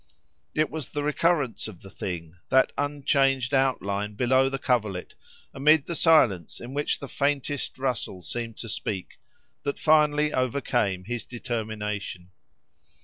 It was the recurrence of the thing—that unchanged outline below the coverlet, amid a silence in which the faintest rustle seemed to speak—that finally overcame his determination.